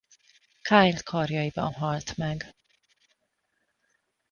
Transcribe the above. Kyle karjaiban halt meg.